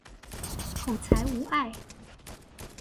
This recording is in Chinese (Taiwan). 口才無礙